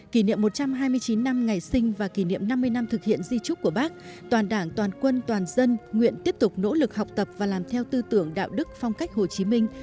kỷ niệm một trăm hai mươi chín năm ngày sinh và kỷ niệm năm mươi năm thực hiện di trúc của bác toàn đảng toàn quân toàn dân nguyện tiếp tục nỗ lực học tập và làm theo tư tưởng đạo đức phong cách hồ chí minh